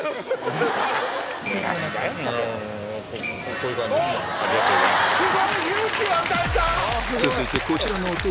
こういう感じありがとうございます。